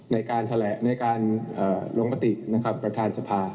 ในการลงประติประธานสภา